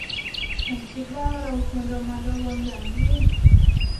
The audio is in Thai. ฉันคิดว่าเราควรระมัดระวังอย่างยิ่ง